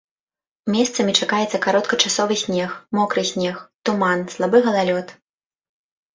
Месцамі чакаецца кароткачасовы снег, мокры снег, туман, слабы галалёд.